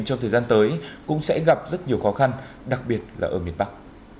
trong thời gian tới cũng sẽ gặp rất nhiều khó khăn đặc biệt là ở miền bắc